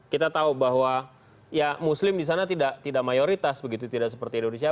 kita tahu bahwa ya muslim di sana tidak mayoritas begitu tidak seperti indonesia